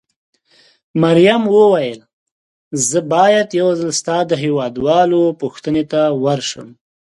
مريم وویل: زه باید یو ځل ستا د هېواد والاو پوښتنې ته ورشم.